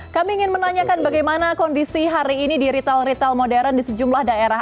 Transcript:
kami ingin menanyakan bagaimana kondisi hari ini di retail retail modern di sejumlah daerah